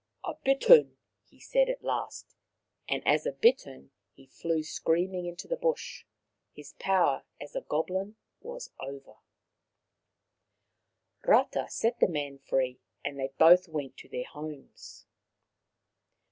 " A bittern," he said at last, and as a bittern he fled screaming into the bush. His power as a goblin was over. ft ft Rata 161 Rata set the man free and they both went to their homes.